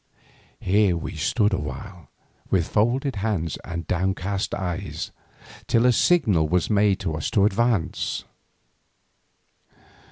Here we stood a while, with folded hands and downcast eyes, till a signal was made to us to advance.